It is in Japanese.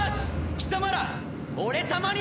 貴様ら俺様に続け！